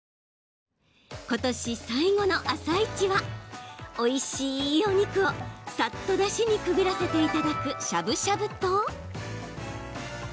今年最後の「あさイチ」はおいしいお肉をさっとだしにくぐらせて頂くしゃぶしゃぶと。